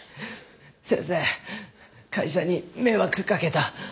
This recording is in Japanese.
先生会社に迷惑かけた。